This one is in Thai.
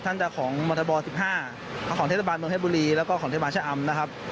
เธอร์ทั้งจะของมทบ๑๕ของทเทศบาลเมืองเทศบรีและทันตะวันจากงานเจ้าอำนะครับ